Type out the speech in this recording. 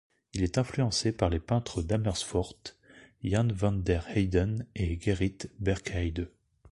Il est influencé par les peintres d'Amersfoort Jan van der Heyden et Gerrit Berckheyde.